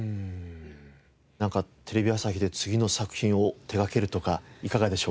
なんかテレビ朝日で次の作品を手掛けるとかいかがでしょうか？